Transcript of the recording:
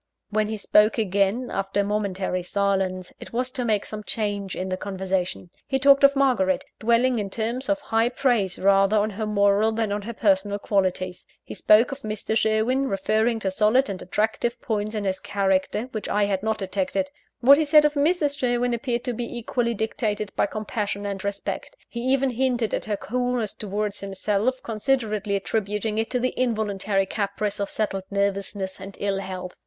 When he spoke again, after a momentary silence, it was to make some change in the conversation. He talked of Margaret dwelling in terms of high praise rather on her moral than on her personal qualities. He spoke of Mr. Sherwin, referring to solid and attractive points in his character which I had not detected. What he said of Mrs. Sherwin appeared to be equally dictated by compassion and respect he even hinted at her coolness towards himself, considerately attributing it to the involuntary caprice of settled nervousness and ill health.